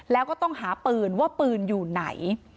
แล้วก็ต้องหาปืนว่าปืนอยู่ไหน